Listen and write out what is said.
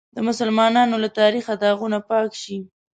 د مسلمانانو له تاریخه داغونه پاک شي.